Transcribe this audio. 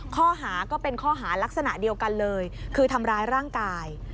ข้อหาก็เป็นข้อหารักษณะเดียวกันเลยคือทำร้ายร่างกาย